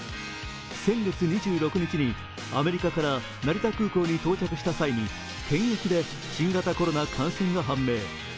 先月２６日に、アメリカから成田空港に到着した際に検疫で新型コロナ感染が判明。